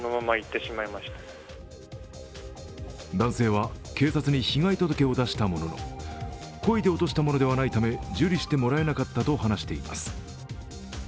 男性は、警察に被害届を出したものの故意で落としたものでないため受理してもらえなかったと話しています。